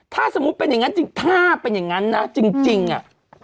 ถ้าสมมุติเป็นอย่างนั้นจริงถ้าเป็นอย่างนั้นนะจริงอ่ะ